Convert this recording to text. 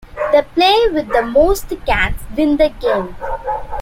The player with the most cans win the game.